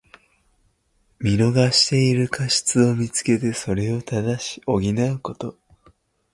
見逃している過失をみつけて、それを正し補うこと。